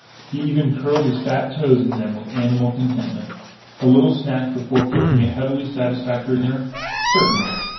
He even curled his fat toes in them with animal contentment. A little snack before cooking a heavily satisfactory dinner? Certainly.